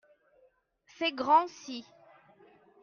Ces grands-ci.